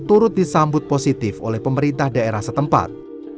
turut disambut positif oleh pemerintah daerah setempat